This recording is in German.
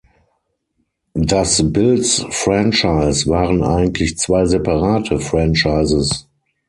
Das Bills-Franchise waren eigentlich zwei separate Franchises.